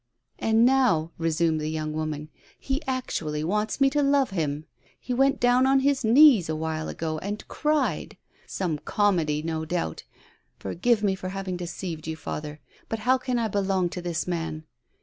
''And now," resumed the young woman, " he actually wants me to love him. He went down on his knees awhile ago and cried. Some comedy, no doubt. For give me for having deceived you, father; but how can I belong to this man?